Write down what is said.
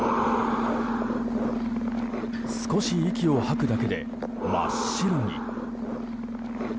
少し息を吐くだけで真っ白に。